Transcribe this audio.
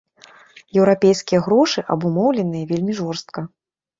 Еўрапейскія грошы абумоўленыя вельмі жорстка.